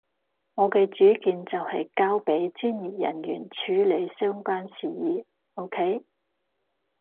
我嘅主見就係交畀專業人員處理相關事宜，OK？